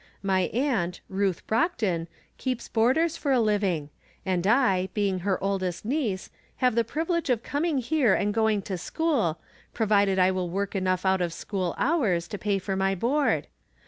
My aunt, Ruth Brocton, keeps boarders for a living, and I, being her oldest niece, have the privilege of coming here and going to school, provided I will work enough out of school hours to pay for my board.